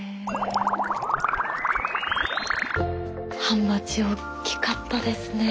ハマチおっきかったですね。